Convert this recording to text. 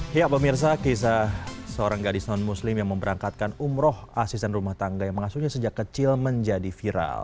ya pemirsa kisah seorang gadis non muslim yang memberangkatkan umroh asisten rumah tangga yang mengasuhnya sejak kecil menjadi viral